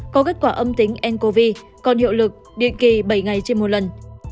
có kết quả âm tính ncov còn hiệu lực định kỳ bảy ngày trên một lần